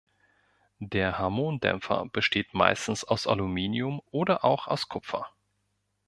Der Harmon-Dämpfer besteht meistens aus Aluminium oder auch aus Kupfer.